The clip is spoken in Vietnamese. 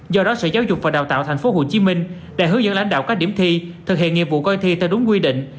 do đó sở giáo dục và đào tạo tp hcm đã hướng dẫn lãnh đạo các điểm thi thực hiện nghiệp vụ coi thi theo đúng quy định